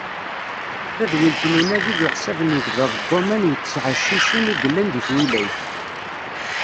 Tadwilt n unadi d uḥsab n yigḍaḍ n waman yettɛeccicen i yellan di twilayt.